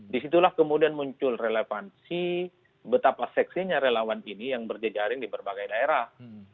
disitulah kemudian muncul relevansi betapa seksinya relawan ini yang berjejaring di berbagai daerah